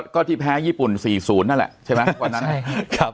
ก็ทีแพ้ญี่ปุ่น๔๐นั่นแหละ